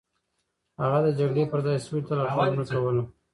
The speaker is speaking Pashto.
هغه د جګړې پر ځای سولې ته لارښوونه کوله.